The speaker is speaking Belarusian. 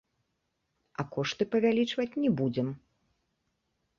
А кошты павялічваць не будзем.